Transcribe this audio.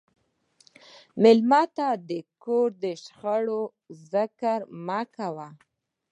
مېلمه ته د کور د شخړو ذکر مه کوه.